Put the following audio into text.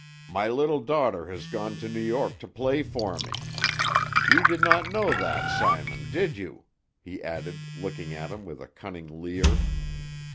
My little daughter has gone to New York to play for me. You did not know that, Simon, did you?" he added, looking at him with a cunning leer.